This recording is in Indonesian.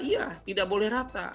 iya tidak boleh rata